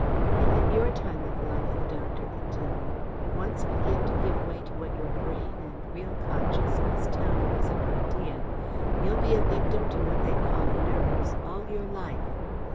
"If at your time of life," the doctor continued, "you once begin to give way to what your brain and real consciousness tell you is an idea, you'll be a victim to what they call 'nerves' all your life.